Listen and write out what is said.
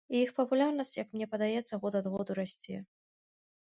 І іх папулярнасць, як мне падаецца, год ад году расце.